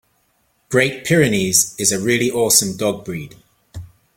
Great Pyrenees is a really awesome dog breed.